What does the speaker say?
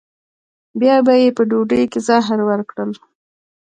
بیا به یې په ډوډۍ کې زهر ورکړل.